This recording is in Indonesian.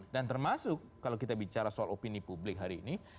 dan termasuk kalau kita bicara soal opini publik hari ini